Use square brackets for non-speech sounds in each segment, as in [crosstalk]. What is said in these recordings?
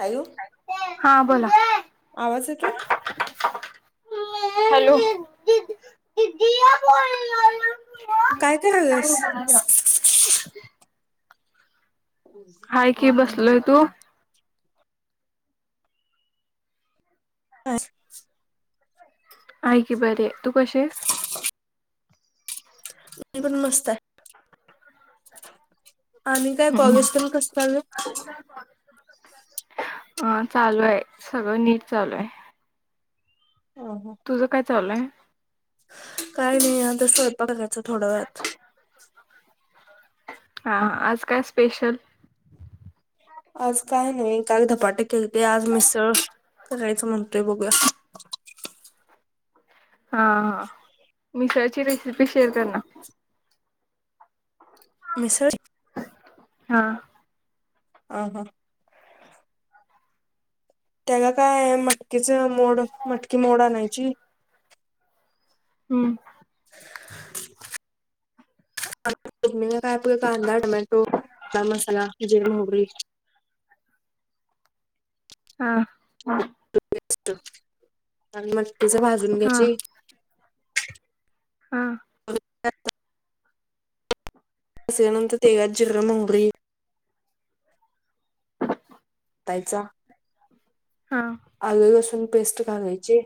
Hello हा बोला. आवाज येतोय? हॅलो! [inaudible] काय करायल्यास? हाय की बसलोय तू. असंच आहे की बरी आहे. तू कशी आहेस? मी पण मस्त आहे. आणि काय कॉलेज तेन कसं चाललंय. ह [inaudible] अं चालू आहे सगळं नीट चालू आहे. तुझं काय चालू आहे. काय नाही आता स्वयंपाक करायचा थोड्या वेळात. हा आज काय स्पेशल? आज काय नाही काल धपाटे केलते आज मिसळ करायचं म्हणतोय बघूया. हा हा मिसळची रेसिपी शेअर कर ना. मिसळं? हा. ह हां. त्या काय मटकीचं मोड मटकी मोड आणायची. हम्म, फोडणीला काय आपलं कांदा टोमॅटो काय मसाला जिरं मोहरी. हा ह. मग तिचं भाजून हा घ्यायची. [inaudible] हा हो [inaudible] अससनंत तेल जिरा मोरी [inaudible] ताईचा. हा. आल लसुन पेस्ट घालायची.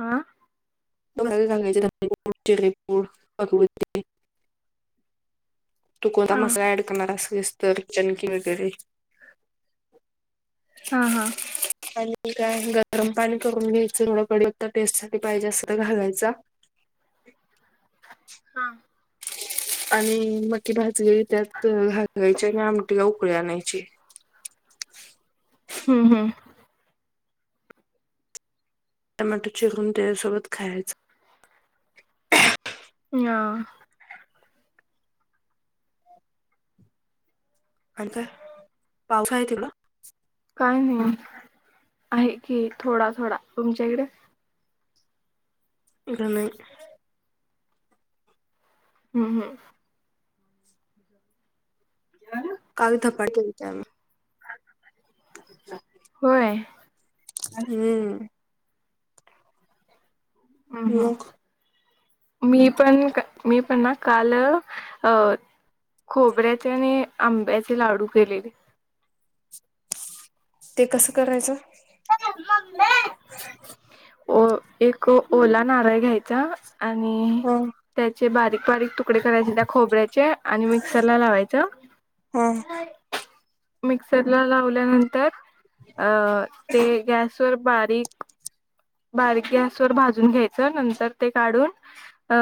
हा सांगायचेपूड चिपूड पगवती [inaudible] तू कोणता हा मस् ऍड करणार असेस तर चनकी वगैरे [inaudible] हा हा. आणि काय गरम पाणी करून घ्यायचं थोडं कडता पेस्टसाठी पाहिजे असत घालायचा. हा. आणि मटकी भाजीत त्यात घालायची आणि आमटी उकळी आणायची. हम् हम् टमॅटो चिकून त्या सोबत खायचं. ह. आता पाऊस आहे तिकडं? काय नाही आहे की थोडा - थोडा तुमच्याकडे? ऐवढा नाहीय. हम्म हम् या लाल धपाटे केले आम्ही. होय. हम्म, हम् ह मग मी पण मी पण ना काल अ खोबऱ्याचे आणि आंब्याचे लाडू केलेले. ते कसं करायचं? अ - एक ओला नारळ आहे घ्यायचा. आणि हं त्याचे बारीक- बारीक तुकडे करायचे त्या खोबऱ्याचे आणि मिक्सरला लावायचं. हं मिक्सरला लावल्यानंतर अ ते गॅसवर बारीक बारीक गॅस वर भाजून घ्यायचं नंतर ते काढून. अ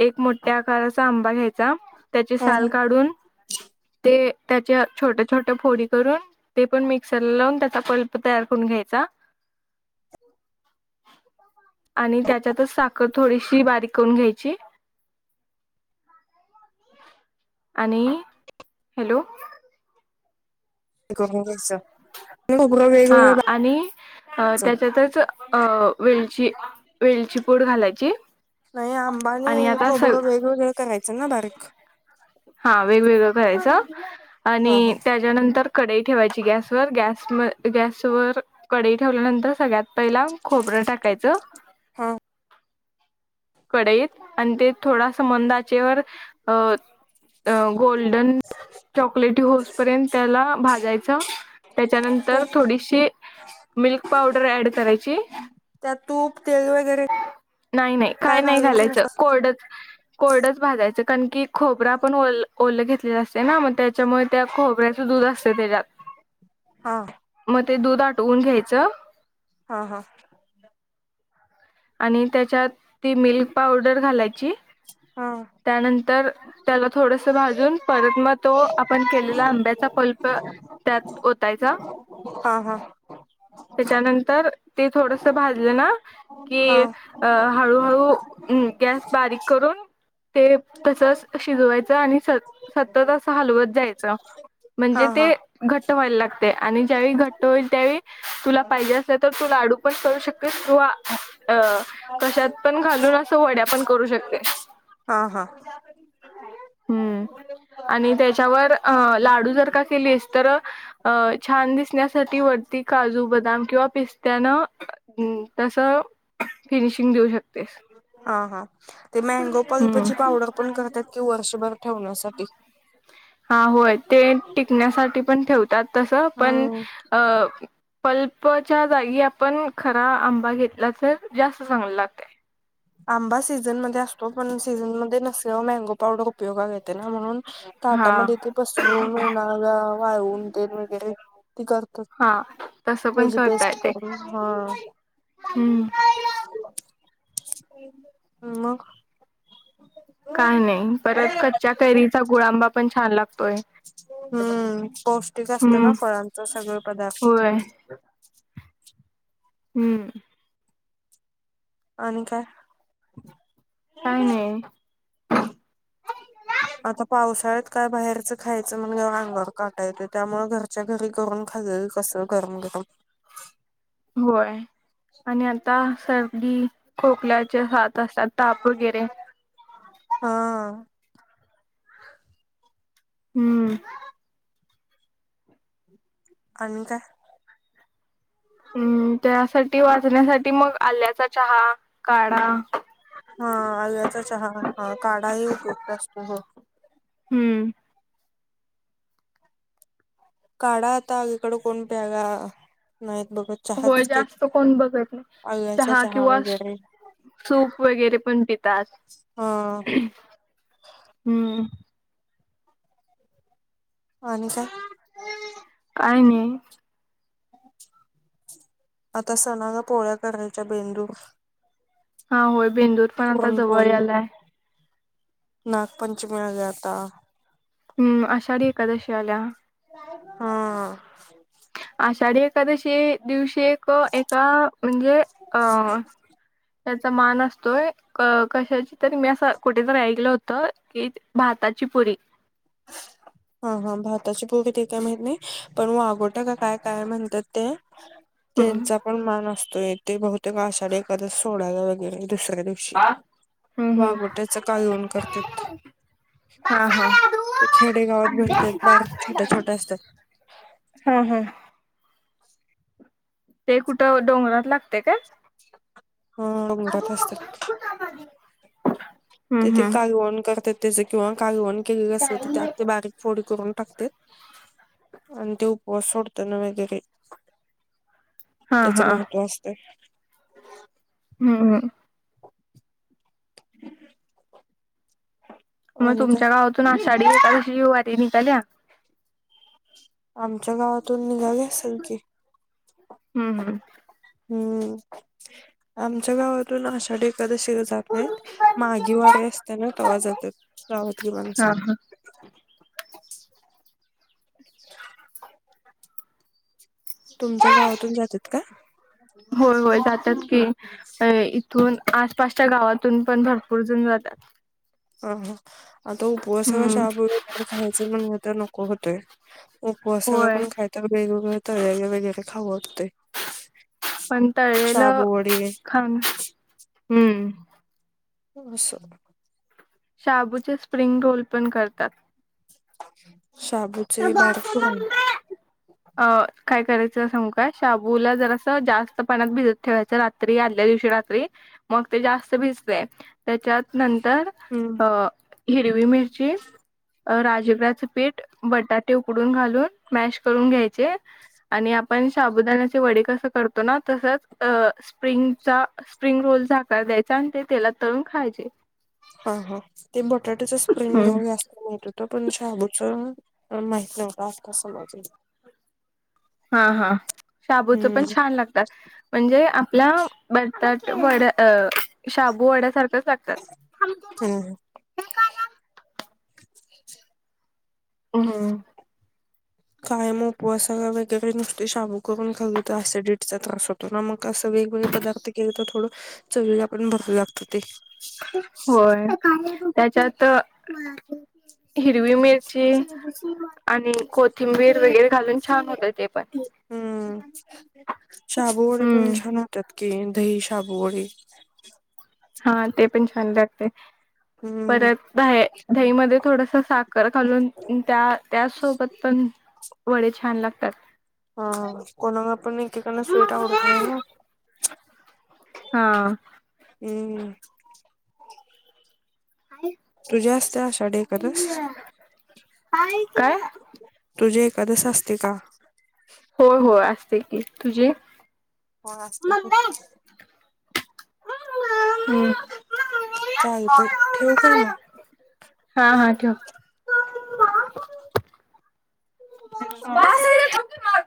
एक मोठ्या आकाराचा आंबा घ्यायचा त्याची हं साल काढून ते त्याच्या छोट्या छोट्या फोडी करून ते पण मिक्सरला लावून त्याचा पल्प तयार करून घ्यायचा आणि त्याच्यातच साखर थोडीशी बारीक करून घ्यायची आणि हॅलो [unintelligible] वेगवेगळ [unintelligible] अह त्याच्यातच अह वेलची वेलची पुड घालायची नाही आंबा आणि हे आता स खोबरं वेगवेगळं करायचं ना बारीक हा वेगवेगळं करायचं हा आणि हा त्याच्यानंतर कडई ठेवायची गॅसवर गॅस गॅसवर कडई ठेवल्यानंतर सगळ्यात पहिला खोबरं टाकायचं हा कढईत आणि ते थोड असं मंद आचेवा अह अह गोल्डन चॉकलेटी हाईस पर्यंत त्याला भाजायचं त्याच्यानंतर तूप थोडीशी मिल्क पावडर ऍड करायची त्या तूप, तेल वगैरे नाही नाही काय नाही घालून घालायचं नसतात. कोरडच कोरडच भाजायचं कारण की खोबरं आपण ओ ओल घेतलेलं असते ना मग त्या च्यामुळे त्या खोबऱ्याच दूध असते त्याच्यात हा. मग ते दूध आटवून घ्यायचं हा हा. आणि त्याच्यात ती मिल्क पावडर घालायची. हा. त्यानंतर त्याला थोडस भाजून परत मग तो आपण केलेला आंब्याचा पल्प त्यात ओतायचा. हा हा. त्याच्यानंतर ते थोडस भाजलं ना की हा अह हळूहळू अम गॅस बारीक करून ते तसच शिजवायचं आणि स सतत अस हलवत जायचं हा म्हणजे हा ते घट्ट व्हायला लागतय आणि ज्यावेळी घट्ट होईल त्यावेळी तुला पाहिजे असलं तर तू लाडू पण करू शकतेस किंवा अ [inaudible] कशात पण घालून असं वड्या पण करू शकतय. हा हा हम्म आणि त्याच्यावर अह लाडू जर का केलीस तर अह छान दिसण्यासाठी वर काजू, बदाम किंवा पिस्त्यान तस फिनिशिंग देऊ शकतेस. हा हा ते मॅगो हम्म पल्पची पावडर पण करत्यात कि वर्षभर ठेवण्यासाठी. हा होय, ते टिकण्यासाठी पण ठेवतात तस पण हम्म अह पल्पच्या जागी आपण खरा आंबा घेतला तर जास्त चांगल लागतय. आंबा सीझन मध्ये असतो पण सीझनमध्ये नसल्यावर मँगो पावडर उपयोगात येते ना म्हणून हा ताटामध्ये ते पसरून उन्हाळ्याला वाळून ते वगैरे तती कर तात हा तसं पण त्याची करता पेस्ट येते करून हा हम्म हम्म मग काय नाही, परत कच्च्या कैरीचा गुळांबा पण छान लाग हम्म पौष्टिक असतं हम्म ना फळांच सगळ पदार्थ होय हम्म आणि काय? काय नाही [unintelligible] आता पावसाळ्यात काय बाहेरचं खायचं म्हणजे अंगावर काटा येतोय त्यामुळे घर च्या घरी करून खाल्लेल कस गरम- गरम होय आणि आता सर्दी, खोकल्याचे साथ असतात ताप वगैरे हा हम्म आणि काय? हम्म त्यासाठी वाचण्यासाठी मग आल्याचा चहा काढा हा आल्याचा चहा हा काढा ही उपयुक्त असतो हो हम्म काढा आता अलिकड कोण प्यायला नाहीत बघत. होय चहाच की जास्त कोण बघत नाही आल्याचा चहा किंवा वगैरे सूप वगैरे पण पितात हा हम्म आणि काय? काही नाही [inaudible] आता सणाला पोळ्या करायच्या बेंदूर हा होय बेंदूर पण आता जवळ यालाय नागपंचमीला आली आता हम आषाढी एकादशी आल्या हा आषाढी एकादशी दिवशी एक एका म्हणजे अ त्याचा मान असतोय कशाची तरी मी असं कुठेेतरी ऐकलं होत की भाताची पुरी हा- हा भाताची पूरी ते काय माहित नाही पण वागोटा का काय- काय म्हणत्यात ते हम्म त्यांचा पण मान असतोय ते बहुतेक आषाढ एकादस सोडायला वगैरे दुसऱ्या दि शी हम्म हम्म वागोट्याच कालवण करत्यात. हा हा ते खेडेगावात भेटतात बार छोट्या- छोट्या असत्यात. हा हा ते कुठं डोंगरात लागते काय हं डोंगरात आसतात ते हम्म ते हम्म कालवण करतात त्याच किंवा कालवण केलेलं असेल तर त्यात ते बारिक फोडी करून टाकतेत आणि ते उपवास सोडत ना वगैरे हा त्याच हा महत्त्व असतय हम् हम मग आणि काय तुमच्या गावातून आषाढी एकादशीची वारी निघाल्या आमच्या गावातून निघाली असलं की हम्म हम्म हम्म आमच्या गावातून आषाढी एखादशी जात नाही माघी वारी असत्याना तवा जातात गावातली हा माणसं हा [inaudible] तुमच्या गावातून जातात का? होय होय जातात की अ इथून आसपासच्या गावातून पण भरपूर जन जातात हा हा आता उपवासाला हम्म शाबू वगैरे खायच म्हण तर नको होतय उपवा सगळ होय पण खाय तर वेगवेगळे तर वेगळे वेगैळे खाऊत होते पण तळेलेलं खाान हम्म [inaudible] शाबूचे स्प्रिंग रोल पण करतात शबूचे बाारक काय करायचं सग काय शाबूला जर अस जास्त पाण्यातत भिजत ठेवायचं आदल्या दिवशी रात्री मग ते जास्त भिजते त्याच्या तर हम्म. अ हिरवी मिरची, राजग्र्याचं पीठ बटाटे उकडून घालून मॅश करून घ्यायचे आणि आपण साबुदाण्याचे वडी कसं करतो ना तसच अ स्प्रिंगचा स्प्रिंग रोल झाकार द्यायचा आणि तेलात तळून खायचे. हा हा, ते बटाट्याचा स्प्रिंग हम्म रोल असत माहित होत पण शहाबूच माहित नव्हतं आता समाजाला हा हा शाबूचं हम्म पण छान लागतात म्हणजे आपल्या बटताट वड्या शाबू वड्यासारखच लागतात हम हम काय मग उपवासाला वगैरे नुसते शाबू करून खवीि तर ऍसिडिटी चा त्रास होतो ना मग कसं वेगवेगळे पदार्थ गेले तर थोडं चवीला पण भरव लागत ते होय त्याच्यात हिरवी मिेर आणि कोथिंबीर वगैरे घालून छान होत ते पण, हम्म शाबूवडे पण हम्म. छान होतात दही, साबु वडे हा ते पण छान लागतय हम्म परत द दही मध्ये थोडस साखर घालून त्या त्या सोबत पण वडे छान लागतात. हा कोणाला पण एकेकाना स्विट आवडत नाही ना. हा, हम्म. काय? तुझ्या असते आषाढ एकारस काय? तुझे एखादस असते का? हो हो असते की तुझी- हो असते कि हम्म. चालतंय ठेवू काय मग? हा हा ठेव [unintelligible] [unintelligible] बास झालं ठेव की मग.